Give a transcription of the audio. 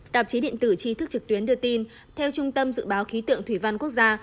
tạp chí điện tử tri thức trực tuyến đưa tin theo trung tâm dự báo khí tượng thủy văn quốc gia